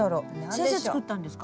先生作ったんですか？